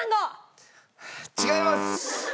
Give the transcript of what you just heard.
違います！